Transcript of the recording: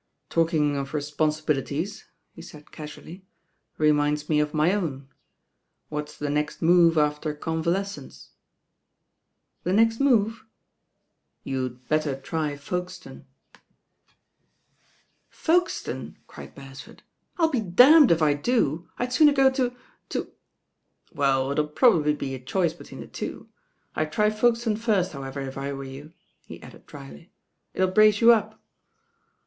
^^ "Talking of responsibilities," he said casuaUy, rcmmds me of my own. What's the next move after conv^alesccnce?" "The next move?" "You'd better try Folkestone." «) .1 LOST DAYS AND THE DOCIt)B M "Folkeitonel" cried Bcretford, "I'M be damned if I do. I'd sooner go to— to " T.J'^t'" probably be a choice between the two. I d try Folkcrtone firtt, however, if I were you." he added drily. "It'U brace you up."